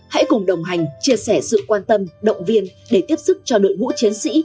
hãy cùng đồng hành chia sẻ sự quan tâm động viên để tiếp sức cho đội ngũ chiến sĩ